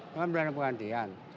kan beliannya pergantian